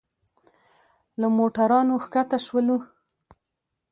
له موټرانو ښکته شولو.